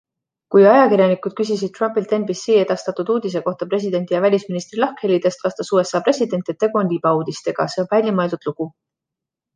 Kui ajakirjanikud küsisid Trumpilt NBC edastatud uudise kohta presidendi ja välisministri lahkhelidest, vastas USA president, et tegu oli libauudistega - see on väljamõeldud lugu.